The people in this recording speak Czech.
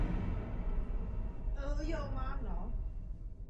Spotřebitelé tím nic nezískají.